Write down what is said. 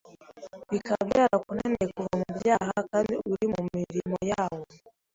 bikaba byarakunaniye kuva mu byaha kandi uri mu murimo wayo,